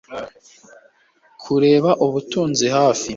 Kureba ubutunzi hafi